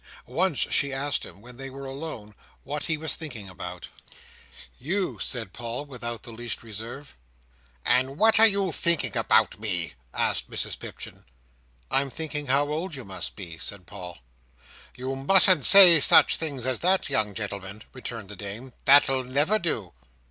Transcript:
Once she asked him, when they were alone, what he was thinking about. "You," said Paul, without the least reserve. "And what are you thinking about me?" asked Mrs Pipchin. "I'm thinking how old you must be," said Paul. "You mustn't say such things as that, young gentleman," returned the dame. "That'll never do."